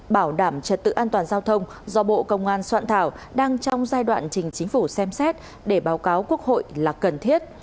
bảo đảm trật tự an toàn giao thông do bộ công an soạn thảo đang trong giai đoạn trình chính phủ xem xét để báo cáo quốc hội là cần thiết